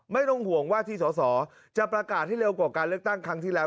ไม่ต้องห่วงว่าที่สอสอจะประกาศให้เร็วกว่าการเลือกตั้งครั้งที่แล้ว